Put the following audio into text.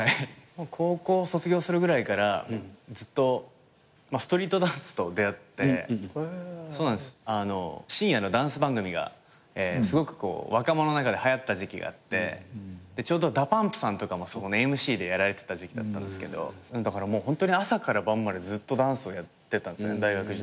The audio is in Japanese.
高校卒業するぐらいからずっとストリートダンスと出合って深夜のダンス番組がすごく若者の中ではやった時期があってちょうどＤＡＰＵＭＰさんもＭＣでやられてた時期だったんすけどホントに朝から晩までずっとダンスをやってたんですね大学時代。